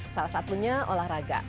salah satunya olahraga